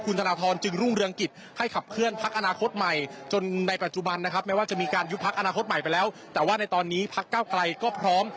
คุณธนทรนจึงรุ่งเรืองกิจให้ขับเคลื่อนพักอาณาคตใหม่แม้ว่าจะมีการยุบใหม่ไปแล้วแต่ว่าในตอนนี้พักเก้ากลายก็พร้อม